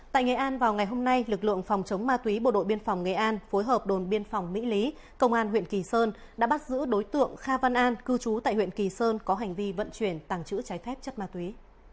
tại nghệ an vào ngày hôm nay lực lượng phòng chống ma túy bộ đội biên phòng nghệ an phối hợp đồn biên phòng mỹ lý công an huyện kỳ sơn đã bắt giữ đối tượng kha văn an cư trú tại huyện kỳ sơn có hành vi vận chuyển tàng chữ trái phép chất ma túy